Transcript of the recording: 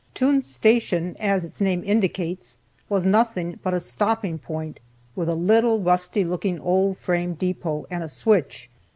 Toone's Station, as its name indicates, was nothing but a stopping point, with a little rusty looking old frame depot and a switch.